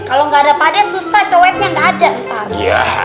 kalau gak ada pade susah cowetnya gak ada